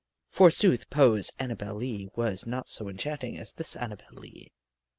Forsooth Poe's Annabel Lee was not so enchanting as this Annabel Lee.